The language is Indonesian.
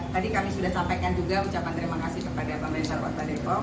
tadi kami sudah sampaikan juga ucapan terima kasih kepada pemerintah kota depok